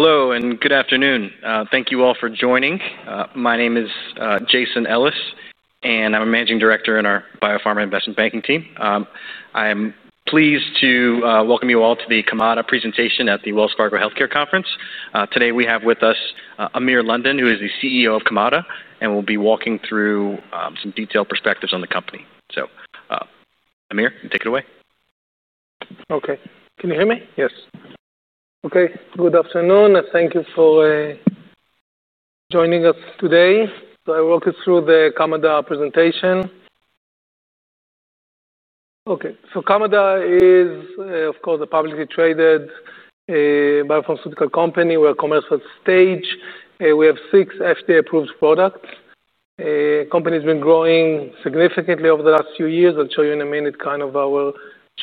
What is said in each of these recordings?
... Hello, and good afternoon. Thank you all for joining. My name is Jason Ellis, and I'm a Managing Director in our Biopharma Investment Banking team. I am pleased to welcome you all to the Kamada presentation at the Wells Fargo Healthcare Conference. Today we have with us Amir London, who is the CEO of Kamada, and we'll be walking through some detailed perspectives on the company. So, Amir, take it away. Okay. Can you hear me? Yes. Okay. Good afternoon, and thank you for joining us today. So I walk you through the Kamada presentation. Okay. So Kamada is, of course, a publicly traded biopharmaceutical company. We're commercial stage. We have six FDA-approved products. Company's been growing significantly over the last few years. I'll show you in a minute kind of our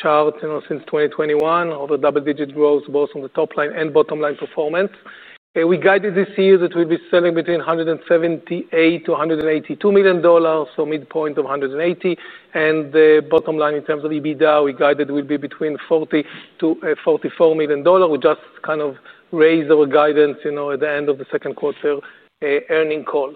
chart, you know, since 2021, over double-digit growth, both on the top line and bottom line performance. We guided this year that we'll be selling between $178 million and $182 million, so midpoint of $180 million, and the bottom line in terms of EBITDA, we guided will be between $40 million and $44 million. We just kind of raise our guidance, you know, at the end of the second quarter earning call.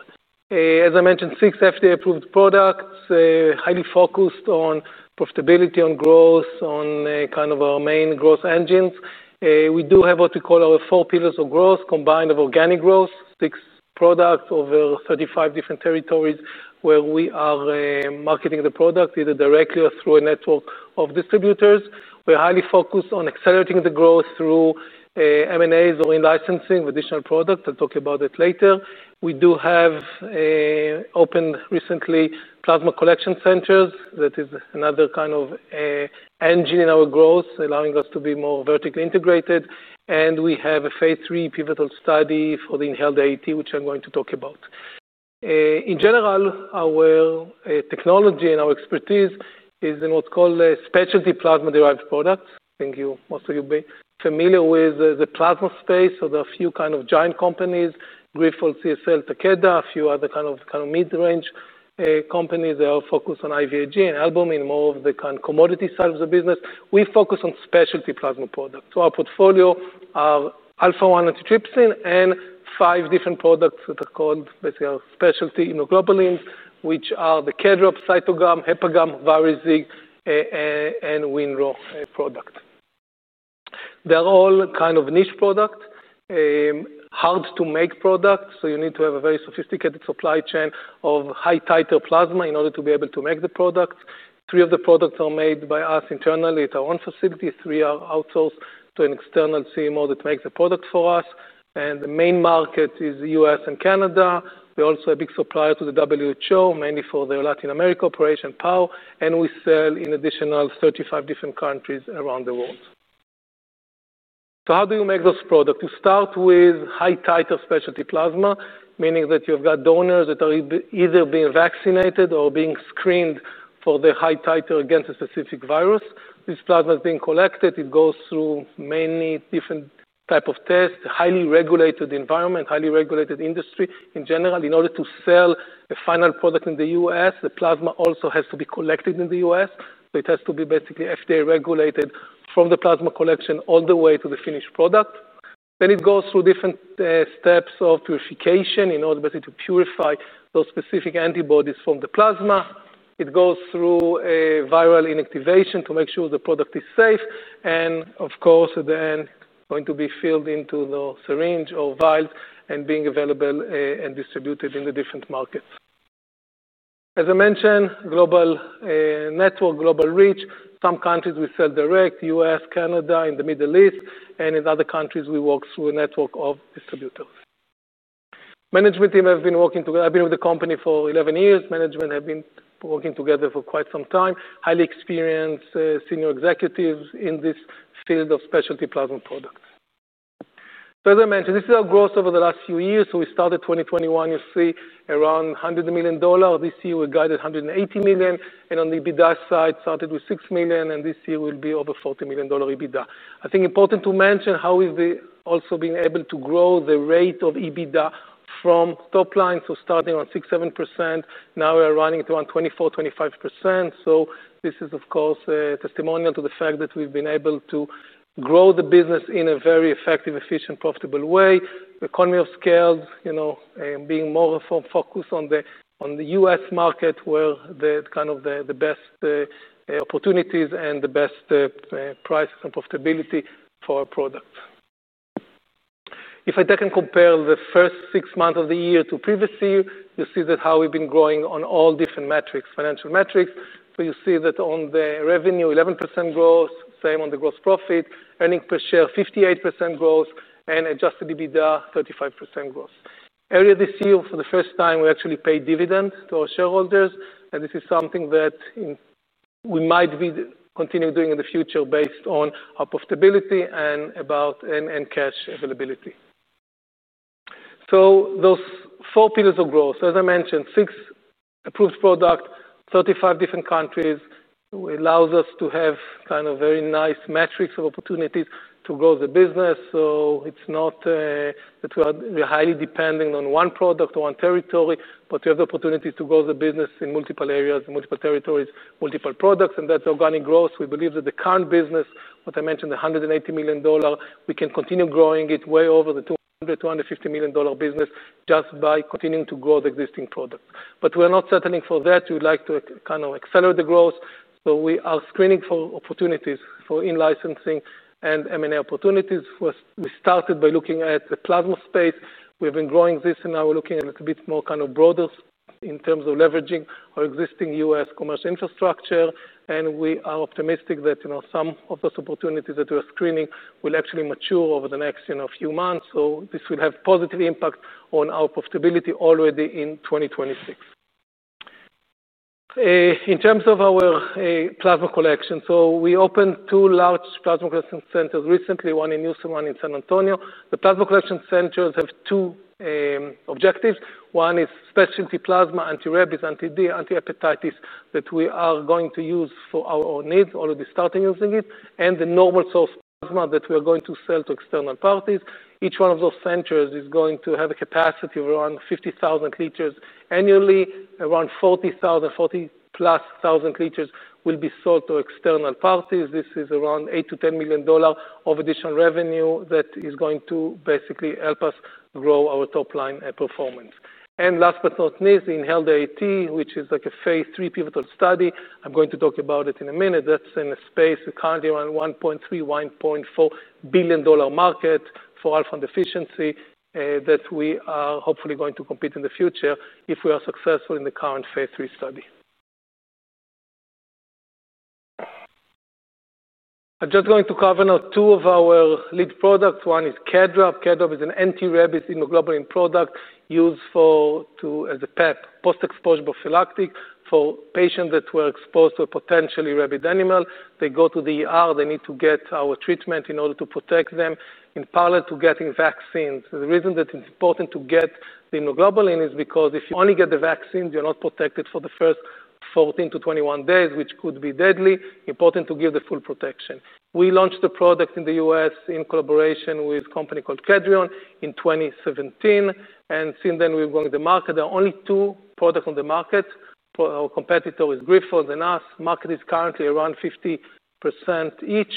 As I mentioned, six FDA-approved products, highly focused on profitability, on growth, on kind of our main growth engines. We do have what we call our four pillars of growth, combined of organic growth, six products over thirty-five different territories, where we are marketing the product, either directly or through a network of distributors. We're highly focused on accelerating the growth through M&As or in-licensing of additional products. I'll talk about it later. We do have opened recently, plasma collection centers. That is another kind of engine in our growth, allowing us to be more vertically integrated, and we have a phase III pivotal study for the inhaled AAT, which I'm going to talk about. In general, our technology and our expertise is in what's called a specialty plasma-derived products. I think you, most of you be familiar with the plasma space, so there are a few kind of giant companies, Grifols, CSL, Takeda, a few other kind of mid-range companies. They all focus on IVIG and albumin more of the kind of commodity side of the business. We focus on specialty plasma products. So our portfolio are alpha-1 antitrypsin, and five different products that are called basically our specialty immunoglobulins, which are the KEDRAB, CytoGam, HepaGam, VARIZIG, and WinRho product. They're all kind of niche product, hard to make products, so you need to have a very sophisticated supply chain of high-titer plasma in order to be able to make the product. Three of the products are made by us internally at our own facility. Three are outsourced to an external CMO that makes the product for us, and the main market is the U.S. and Canada. We're also a big supplier to the WHO, mainly for the Latin America operation, PAHO, and we sell in additional 35 different countries around the world. So how do you make those products? You start with high-titer specialty plasma, meaning that you've got donors that are either being vaccinated or being screened for the high titer against a specific virus. This plasma is being collected. It goes through many different type of tests, highly regulated environment, highly regulated industry. In general, in order to sell the final product in the U.S., the plasma also has to be collected in the U.S. So it has to be basically FDA-regulated from the plasma collection all the way to the finished product. Then it goes through different steps of purification in order basically to purify those specific antibodies from the plasma. It goes through a viral inactivation to make sure the product is safe, and of course, at the end, going to be filled into the syringe or vial and being available and distributed in the different markets. As I mentioned, global network, global reach. Some countries we sell direct, U.S., Canada, in the Middle East, and in other countries, we work through a network of distributors. Management team have been working together. I've been with the company for eleven years. Management have been working together for quite some time. Highly experienced senior executives in this field of specialty plasma products. So as I mentioned, this is our growth over the last few years. So we started 2021, you see around $100 million. This year, we guided $180 million, and on the EBITDA side, started with $6 million, and this year will be over $40 million EBITDA. I think important to mention how we've also been able to grow the rate of EBITDA from top line, so starting on 6%-7%, now we are running to around 24%-25%. So this is, of course, testimonial to the fact that we've been able to grow the business in a very effective, efficient, profitable way. The economy of scale, you know, being more of focused on the, on the U.S. market, where the kind of the, the best, opportunities and the best, price and profitability for our products. If I take and compare the first six months of the year to previous year, you see that how we've been growing on all different metrics, financial metrics. So you see that on the revenue, 11% growth, same on the gross profit, earnings per share, 58% growth, and adjusted EBITDA, 35% growth. Earlier this year, for the first time, we actually paid dividends to our shareholders, and this is something that we might continue doing in the future based on our profitability and cash availability. So those four pillars of growth, as I mentioned, six approved product. Thirty-five different countries allows us to have kind of very nice metrics of opportunities to grow the business. It's not that we are highly depending on one product or one territory, but we have the opportunity to grow the business in multiple areas, multiple territories, multiple products, and that's organic growth. We believe that the current business, what I mentioned, a $180 million dollar, we can continue growing it way over the $200-$250 million dollar business just by continuing to grow the existing product. But we're not settling for that. We would like to kind of accelerate the growth, so we are screening for opportunities for in-licensing and M&A opportunities. First, we started by looking at the plasma space. We've been growing this, and now we're looking at a bit more kind of broader in terms of leveraging our existing U.S. commercial infrastructure, and we are optimistic that, you know, some of those opportunities that we're screening will actually mature over the next, you know, few months. So this will have positive impact on our profitability already in 2026. In terms of our plasma collection, so we opened two large plasma collection centers recently, one in Houston, one in San Antonio. The plasma collection centers have two objectives. One is specialty plasma, anti-rabies, anti-D, anti-hepatitis, that we are going to use for our own needs, already starting using it, and the normal source plasma that we are going to sell to external parties. Each one of those centers is going to have a capacity of around 50,000 liters annually. Around 40,000, 40-plus thousand liters will be sold to external parties. This is around $8-$10 million of additional revenue that is going to basically help us grow our top line performance. Last but not least, inhaled AAT, which is like a phase three pivotal study. I'm going to talk about it in a minute. That's in a space currently around $1.3-$1.4 billion market for Alpha-1 deficiency that we are hopefully going to compete in the future if we are successful in the current phase three study. I'm just going to cover now two of our lead products. One is KEDRAB. KEDRAB is an anti-rabies immunoglobulin product used for as a PEP, post-exposure prophylactic, for patients that were exposed to a potentially rabid animal. They go to the ER. They need to get our treatment in order to protect them, in parallel to getting vaccines. The reason that it's important to get the immunoglobulin is because if you only get the vaccine, you're not protected for the first fourteen to twenty-one days, which could be deadly. Important to give the full protection. We launched the product in the U.S. in collaboration with a company called Kedrion in 2017, and since then we've grown the market. There are only two products on the market. Our competitor is Grifols and us. Market is currently around 50% each,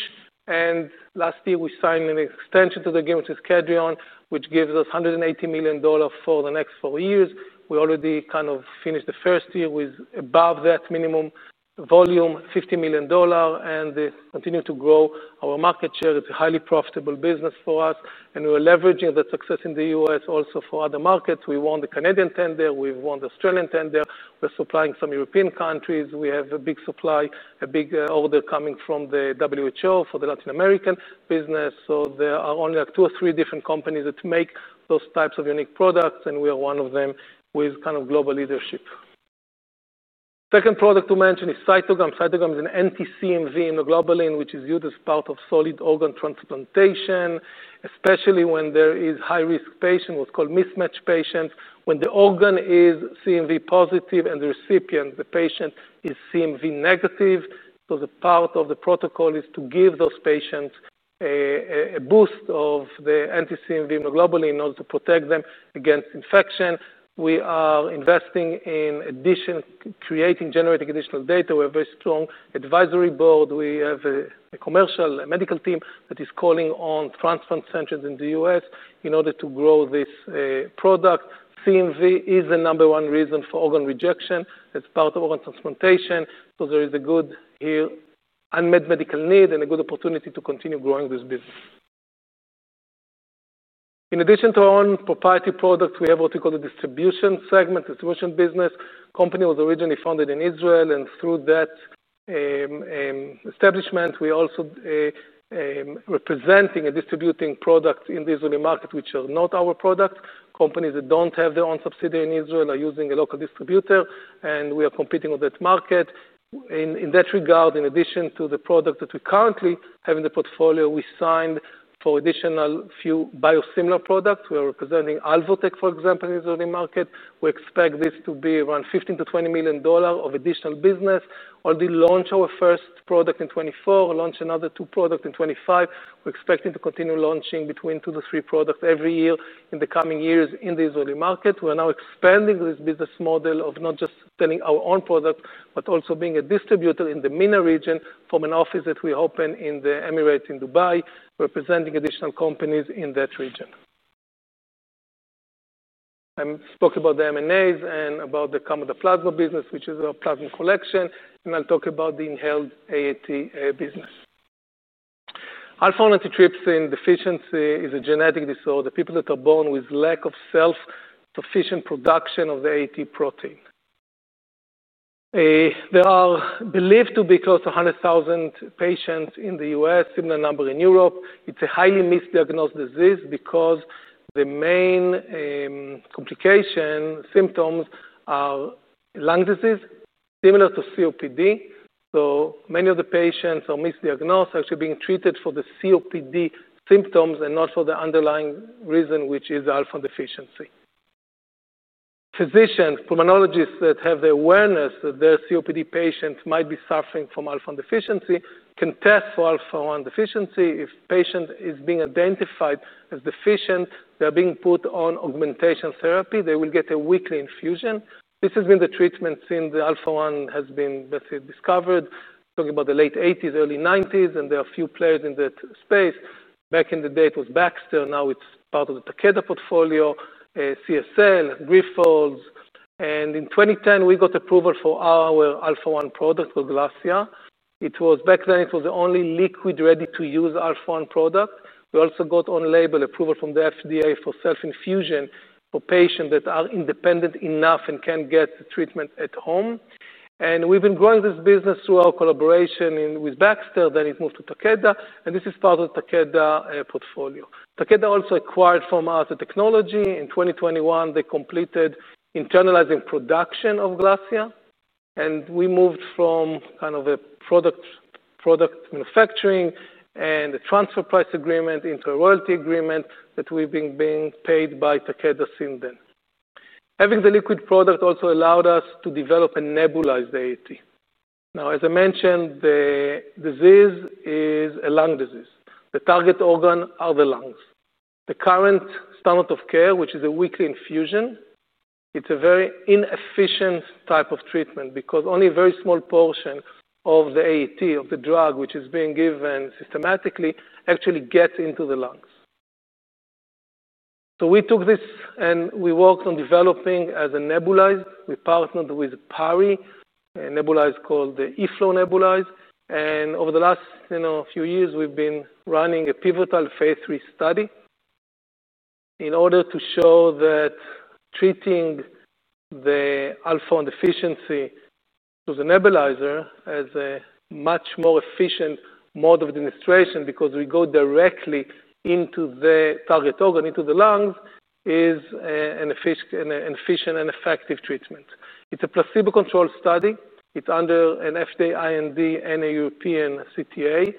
and last year we signed an extension to the deal, which is Kedrion, which gives us $180 million for the next four years. We already kind of finished the first year with above that minimum volume, $50 million, and continue to grow our market share. It's a highly profitable business for us, and we're leveraging that success in the U.S. also for other markets. We won the Canadian tender, we've won the Australian tender. We're supplying some European countries. We have a big supply, a big order coming from the WHO for the Latin American business. So there are only, like, two or three different companies that make those types of unique products, and we are one of them with kind of global leadership. Second product to mention is CytoGam. CytoGam is an anti-CMV immunoglobulin, which is used as part of solid organ transplantation, especially when there is high-risk patient, what's called mismatched patients. When the organ is CMV positive and the recipient, the patient, is CMV negative, so the part of the protocol is to give those patients a boost of the anti-CMV immunoglobulin in order to protect them against infection. We are investing in addition, creating, generating additional data. We have a very strong advisory board. We have a commercial, a medical team that is calling on transplant centers in the U.S. in order to grow this product. CMV is the number one reason for organ rejection as part of organ transplantation, so there is a good unmet medical need here and a good opportunity to continue growing this business. In addition to our own proprietary product, we have what we call the distribution segment, distribution business. Company was originally founded in Israel, and through that establishment, we also representing and distributing products in the Israeli market, which are not our products. Companies that don't have their own subsidiary in Israel are using a local distributor, and we are competing on that market. In that regard, in addition to the product that we currently have in the portfolio, we signed for additional few biosimilar products. We are representing Alvotech, for example, in the Israeli market. We expect this to be around $15-$20 million of additional business. Already launch our first product in 2024, launch another two products in 2025. We're expecting to continue launching between two to three products every year in the coming years in the Israeli market. We are now expanding this business model of not just selling our own products, but also being a distributor in the MENA region from an office that we opened in the Emirates in Dubai, representing additional companies in that region. I spoke about the M&As and about the plasma business, which is our plasma collection, and I'll talk about the inhaled AAT business. Alpha-1 antitrypsin deficiency is a genetic disorder. People that are born with lack of self-sufficient production of the AAT protein. There are believed to be close to 100,000 patients in the U.S., similar number in Europe. It's a highly misdiagnosed disease because the main complication symptoms are lung disease, similar to COPD. So many of the patients are misdiagnosed, actually being treated for the COPD symptoms and not for the underlying reason, which is Alpha-1 deficiency. Physicians, pulmonologists that have the awareness that their COPD patients might be suffering from Alpha-1 deficiency can test for Alpha-1 deficiency. If patient is being identified as deficient, they are being put on augmentation therapy. They will get a weekly infusion. This has been the treatment since the Alpha-1 has been basically discovered, talking about the late eighties, early nineties, and there are a few players in that space. Back in the day, it was Baxter. Now it's part of the Takeda portfolio, CSL, Grifols, and in twenty ten, we got approval for our Alpha-1 product, for GLASSIA. It was back then, it was the only liquid ready-to-use alpha-1 product. We also got on-label approval from the FDA for self-infusion for patients that are independent enough and can get the treatment at home. We've been growing this business through our collaboration with Baxter, then it moved to Takeda, and this is part of Takeda's portfolio. Takeda also acquired from us the technology. In 2021, they completed internalizing production of GLASSIA, and we moved from kind of a product manufacturing and a transfer price agreement into a royalty agreement that we've been being paid by Takeda since then. Having the liquid product also allowed us to develop a nebulized AAT. Now, as I mentioned, the disease is a lung disease. The target organ are the lungs. The current standard of care, which is a weekly infusion, it's a very inefficient type of treatment because only a very small portion of the AAT, of the drug, which is being given systemically, actually gets into the lungs. So we took this, and we worked on developing as a nebulizer. We partnered with PARI, a nebulizer called the eFlow nebulizer, and over the last, you know, few years, we've been running a pivotal phase III study in order to show that treating the Alpha-1 deficiency with a nebulizer as a much more efficient mode of administration, because we go directly into the target organ, into the lungs, is an efficient and effective treatment. It's a placebo-controlled study. It's under an FDA IND and a European CTA,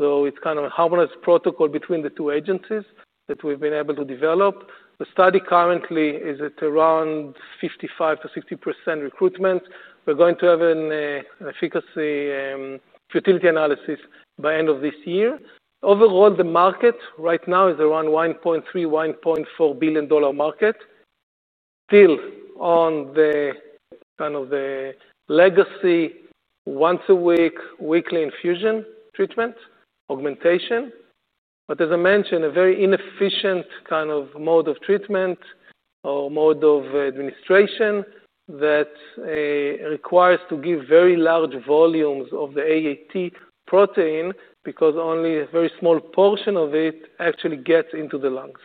so it's kind of a harmonious protocol between the two agencies that we've been able to develop. The study currently is at around 55%-60% recruitment. We're going to have an efficacy futility analysis by end of this year. Overall, the market right now is around $1.3-$1.4 billion market. Still on the kind of the legacy once a week weekly infusion treatment augmentation, but as I mentioned, a very inefficient kind of mode of treatment or mode of administration that requires to give very large volumes of the AAT protein because only a very small portion of it actually gets into the lungs.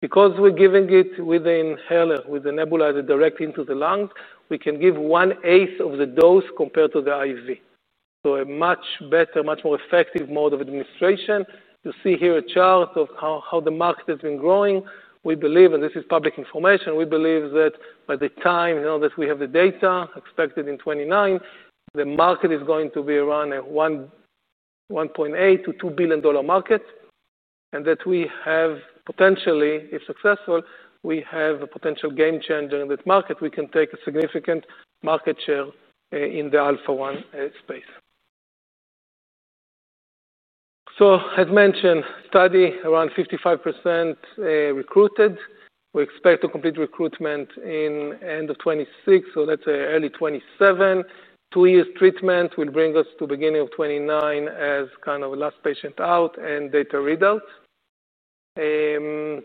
Because we're giving it with the inhaler with the nebulizer direct into the lungs, we can give one-eighth of the dose compared to the IV. So a much better much more effective mode of administration. You see here a chart of how the market has been growing. We believe, and this is public information, we believe that by the time, you know, that we have the data expected in 2029, the market is going to be around a $1.8-$2 billion market, and that we have potentially, if successful, we have a potential game changer in this market. We can take a significant market share in the Alpha-1 space. So as mentioned, study around 55% recruited. We expect to complete recruitment in end of 2026, so let's say early 2027. Two years treatment will bring us to beginning of 2029 as kind of last patient out and data read out. Primary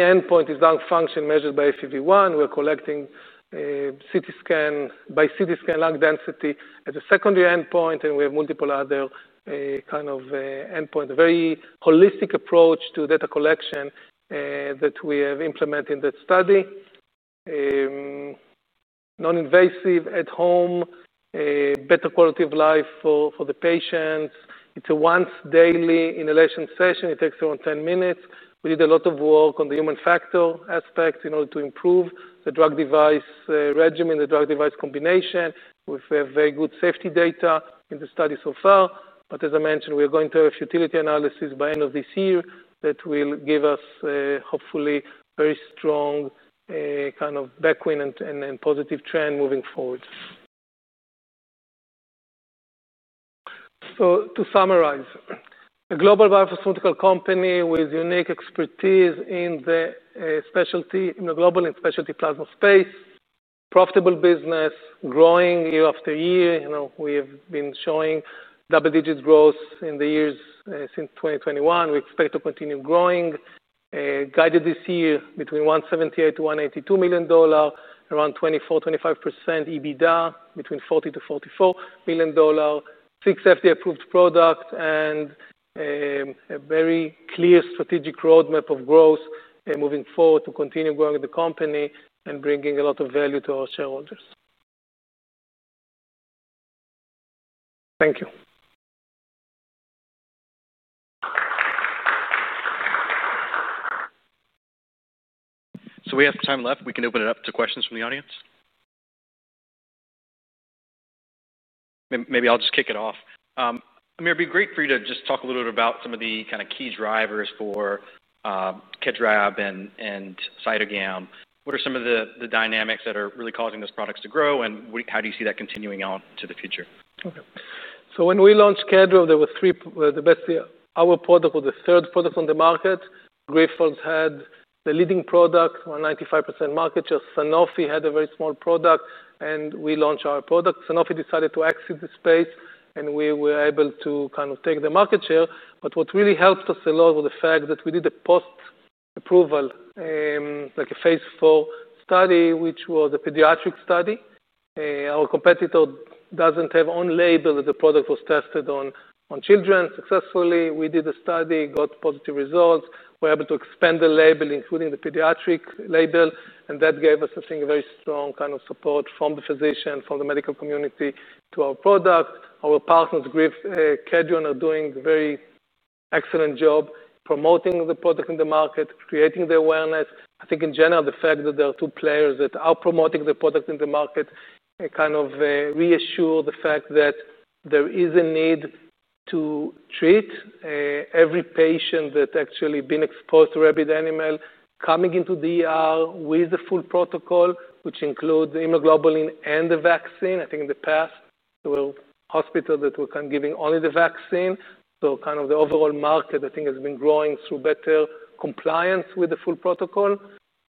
endpoint is lung function measured by FEV1. We're collecting CT scan by CT scan lung density as a secondary endpoint, and we have multiple other kind of endpoint. A very holistic approach to data collection that we have implemented in that study. Non-invasive at home, a better quality of life for the patients. It's a once-daily inhalation session. It takes around 10 minutes. We did a lot of work on the human factor aspects in order to improve the drug device regimen, the drug device combination. We have very good safety data in the study so far, but as I mentioned, we are going to have futility analysis by end of this year that will give us hopefully very strong kind of backwind and positive trend moving forward. So to summarize, a global biopharmaceutical company with unique expertise in the specialty... in the global and specialty plasma space. Profitable business, growing year after year. You know, we have been showing double-digit growth in the years since 2021. We expect to continue growing. Guided this year between $178-$182 million, around 24%-25% EBITDA, between $40-$44 million, 6 FDA-approved product, and a very clear strategic roadmap of growth, moving forward to continue growing the company and bringing a lot of value to our shareholders. Thank you. ... So we have some time left, we can open it up to questions from the audience. Maybe I'll just kick it off. Amir, it'd be great for you to just talk a little bit about some of the kinda key drivers for KEDRAB and CytoGam. What are some of the dynamics that are really causing those products to grow, and how do you see that continuing on to the future? Okay. So when we launched KEDRAB, there were three, our product was the third product on the market. Grifols had the leading product, 95% market share. Sanofi had a very small product, and we launched our product. Sanofi decided to exit the space, and we were able to kind of take the market share. But what really helped us a lot was the fact that we did a post-approval, like a phase IV study, which was a pediatric study. Our competitor doesn't have on label that the product was tested on children successfully. We did a study, got positive results. We're able to expand the labeling, including the pediatric label, and that gave us, I think, a very strong kind of support from the physician, from the medical community to our product. Our partners, Grifols, Kedrion, are doing very excellent job promoting the product in the market, creating the awareness. I think in general, the fact that there are two players that are promoting the product in the market, it kind of, reassure the fact that there is a need to treat, every patient that actually been exposed to rabid animal coming into the ER with a full protocol, which includes the immunoglobulin and the vaccine. I think in the past, there were hospitals that were giving only the vaccine, so kind of the overall market, I think, has been growing through better compliance with the full protocol.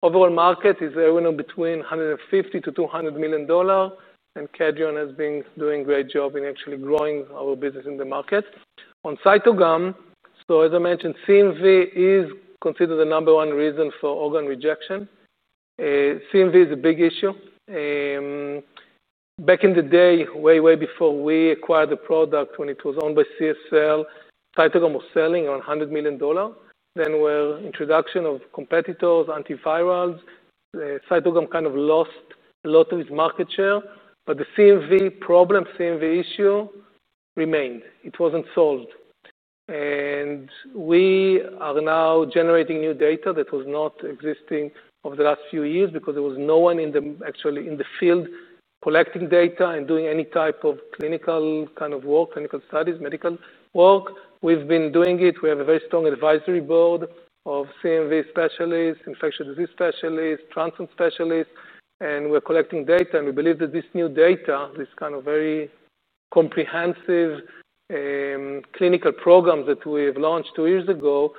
Overall market is anywhere between $150-$200 million, and Kedrion has been doing a great job in actually growing our business in the market. On CytoGam, so as I mentioned, CMV is considered the number one reason for organ rejection. CMV is a big issue. Back in the day, way, way before we acquired the product, when it was owned by CSL, CytoGam was selling on a $100 million. Then with introduction of competitors, antivirals, CytoGam kind of lost a lot of its market share, but the CMV problem, CMV issue remained. It wasn't solved, and we are now generating new data that was not existing over the last few years because there was no one actually in the field collecting data and doing any type of clinical kind of work, clinical studies, medical work. We've been doing it. We have a very strong advisory board of CMV specialists, infectious disease specialists, transplant specialists, and we're collecting data, and we believe that this new data, this kind of very comprehensive, clinical program that we have launched two years ago,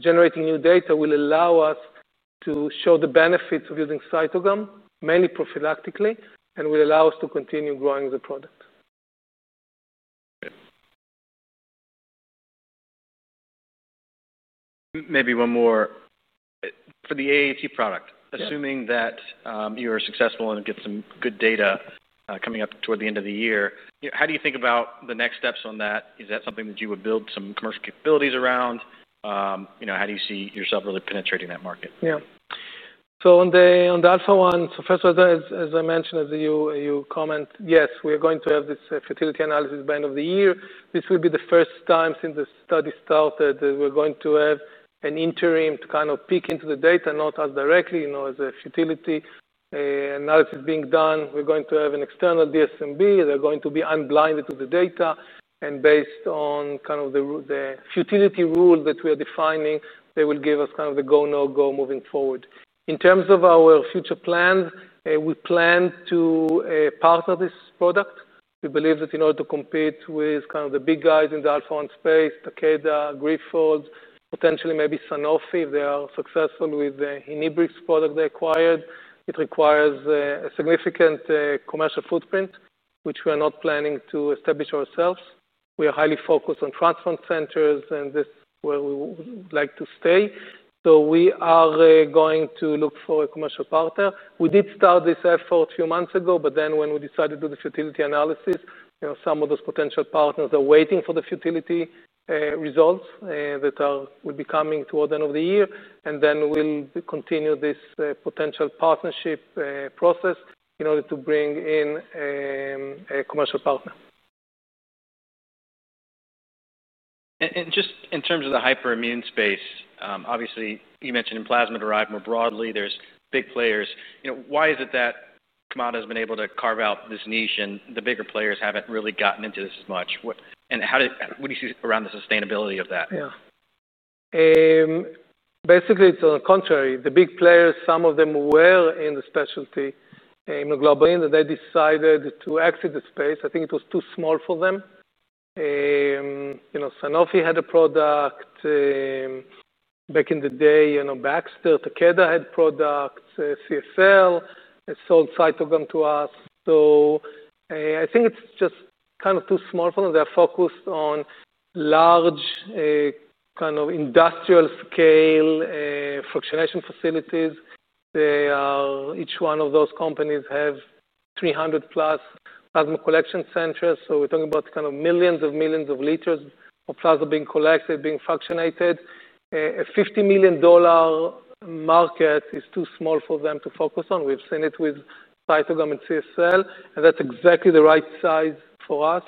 generating new data will allow us to show the benefits of using CytoGam, mainly prophylactically, and will allow us to continue growing the product. Great. Maybe one more. For the AAT product- Yeah. Assuming that you are successful and get some good data coming up toward the end of the year, how do you think about the next steps on that? Is that something that you would build some commercial capabilities around? You know, how do you see yourself really penetrating that market? Yeah. So on the Alpha-1, so first, as I mentioned, as you comment, yes, we are going to have this futility analysis by end of the year. This will be the first time since the study started that we're going to have an interim to kind of peek into the data, not as directly, you know, as a futility analysis being done. We're going to have an external DSMB. They're going to be unblinded to the data, and based on kind of the futility rule that we are defining, they will give us kind of the go, no-go moving forward. In terms of our future plans, we plan to partner this product. We believe that in order to compete with kind of the big guys in the Alpha-1 space, Takeda, Grifols, potentially maybe Sanofi, they are successful with the Inhibrx product they acquired. It requires a significant commercial footprint, which we are not planning to establish ourselves. We are highly focused on transplant centers, and this is where we would like to stay. So we are going to look for a commercial partner. We did start this effort a few months ago, but then when we decided to do the futility analysis, you know, some of those potential partners are waiting for the feasibility results that will be coming toward the end of the year, and then we'll continue this potential partnership process in order to bring in a commercial partner. Just in terms of the hyperimmune space, obviously, you mentioned in plasma-derived, more broadly, there's big players. You know, why is it that Kamada has been able to carve out this niche and the bigger players haven't really gotten into this as much? What do you see around the sustainability of that? Yeah. Basically, it's on the contrary. The big players, some of them were in the specialty, immunoglobulin, and they decided to exit the space. I think it was too small for them. You know, Sanofi had a product, back in the day, you know, Baxter, Takeda had products, CSL sold CytoGam to us. So, I think it's just kind of too small for them. They are focused on large, kind of industrial-scale, fractionation facilities. They are. Each one of those companies have three hundred plus plasma collection centers, so we're talking about kind of millions of millions of liters of plasma being collected, being fractionated. A $50 million market is too small for them to focus on. We've seen it with CytoGam and CSL, and that's exactly the right size for us.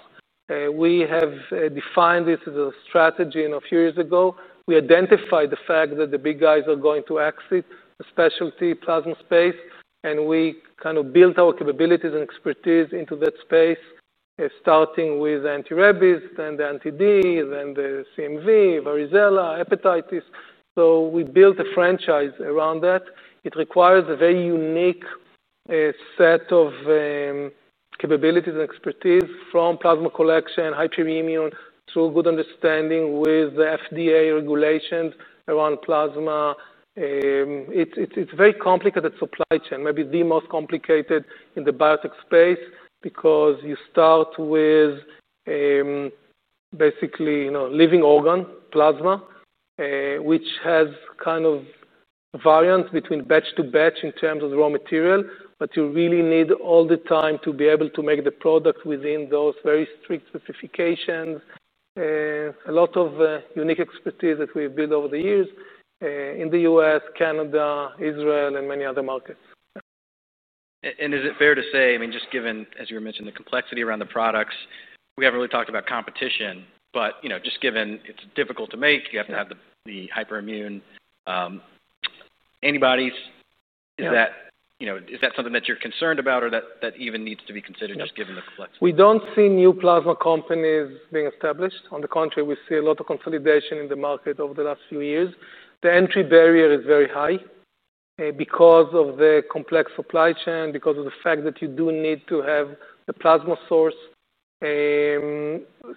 We have defined this as a strategy a few years ago. We identified the fact that the big guys are going to exit the specialty plasma space... and we kind of built our capabilities and expertise into that space, starting with anti-rabies, then the anti-D, then the CMV, varicella, hepatitis. So we built a franchise around that. It requires a very unique set of capabilities and expertise from plasma collection, hyperimmune, through a good understanding with the FDA regulations around plasma. It's very complicated supply chain, maybe the most complicated in the biotech space, because you start with, basically, you know, living organ, plasma, which has kind of variance between batch to batch in terms of the raw material, but you really need all the time to be able to make the product within those very strict specifications. A lot of unique expertise that we've built over the years in the U.S., Canada, Israel, and many other markets. Is it fair to say, I mean, just given, as you were mentioning, the complexity around the products, we haven't really talked about competition, but, you know, just given it's difficult to make, you have to have the hyperimmune antibodies- Yeah. Is that, you know, is that something that you're concerned about or that, that even needs to be considered, just given the complexity? We don't see new plasma companies being established. On the contrary, we see a lot of consolidation in the market over the last few years. The entry barrier is very high, because of the complex supply chain, because of the fact that you do need to have the plasma source.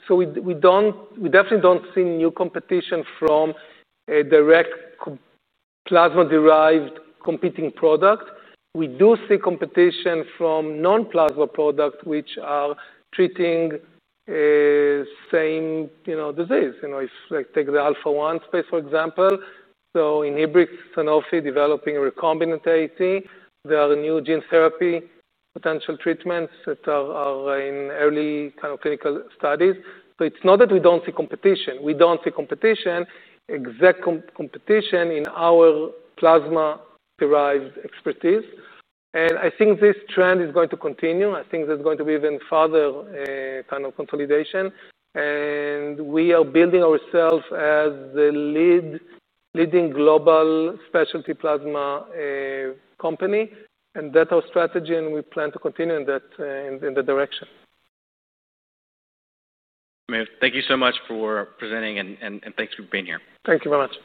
So we don't, we definitely don't see new competition from a direct plasma-derived competing product. We do see competition from non-plasma products, which are treating same, you know, disease. You know, if like, take the Alpha-1 space, for example. So Inhibrx, Sanofi, developing recombinant AT. There are new gene therapy, potential treatments that are in early kind of clinical studies. So it's not that we don't see competition. We don't see competition, exact competition in our plasma-derived expertise, and I think this trend is going to continue. I think there's going to be even further kind of consolidation, and we are building ourselves as the lead, leading global specialty plasma company, and that's our strategy, and we plan to continue in that direction. Thank you so much for presenting, and thanks for being here. Thank you very much.